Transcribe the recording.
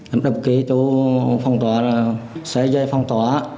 em đập kế chỗ phong tỏa xe dây phong tỏa